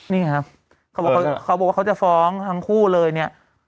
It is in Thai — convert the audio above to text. นี่ไงครับเขาบอกว่าเขาจะฟ้องทั้งคู่เลยเนี่ย